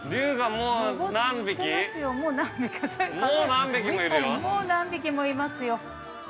◆もう何匹もいますよ。